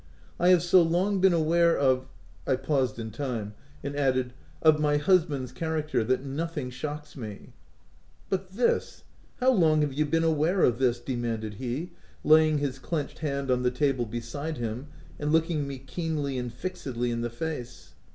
" I have so long been aware of — y I paused in time, and added, "of my husband's character, that nothing shocks me/' " But this — how long have you been aware of this ? v demanded he, laying his clenched hand on the table beside him, and looking me keenly and fixedly in the face.